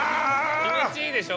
気持ちいいでしょ？